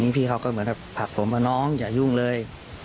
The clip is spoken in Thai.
นี่พี่ก็เขาเหมือนนอกภัทรผมโอ้น้องอย่ายุ่งเลย